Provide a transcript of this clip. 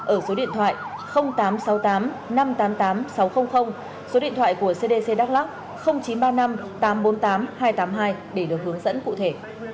ở số điện thoại tám trăm sáu mươi tám năm trăm tám mươi tám sáu trăm linh số điện thoại của cdc đắk lắc chín trăm ba mươi năm tám trăm bốn mươi tám hai trăm tám mươi hai để được hướng dẫn cụ thể